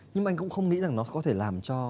nhưng mà anh cũng không nghĩ rằng nó có thể làm cho